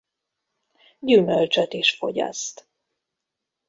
Gyümölcsöt is fogyaszt.